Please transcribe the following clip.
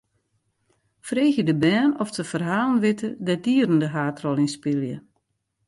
Freegje de bern oft se ferhalen witte dêr't dieren de haadrol yn spylje.